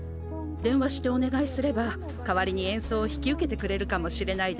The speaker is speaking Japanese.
電話しておねがいすればかわりにえんそうを引きうけてくれるかもしれないでしょ。